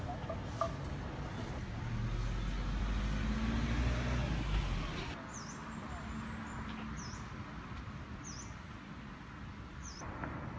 นะครับ